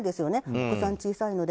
お子さん小さいので。